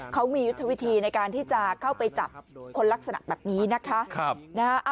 เขามียุทธวิธีในการที่จะเข้าไปจับคนลักษณะแบบนี้นะคะ